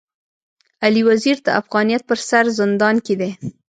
علي وزير د افغانيت پر سر زندان کي دی.